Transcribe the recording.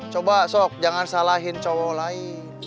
coba jas jangan salahkan cowok lain